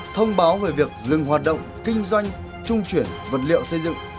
thông báo về việc dừng hoạt động kinh doanh trung chuyển vật liệu xây dựng